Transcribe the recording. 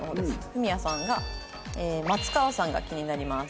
文哉さんが松川さんが気になります。